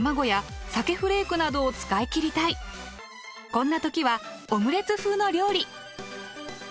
こんな時はオムレツ風の料理。